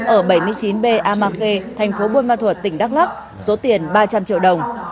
ở bảy mươi chín b amakhe thành phố buôn ma thuật tỉnh đắk lắk số tiền ba trăm linh triệu đồng